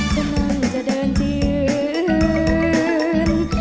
ฉะนั้นจะเดินที่อื่น